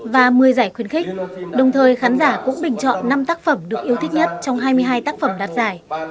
và một mươi giải khuyến khích đồng thời khán giả cũng bình chọn năm tác phẩm được yêu thích nhất trong hai mươi hai tác phẩm đạt giải